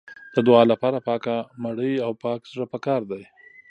د دعا لپاره پاکه مړۍ او پاک زړه پکار دی.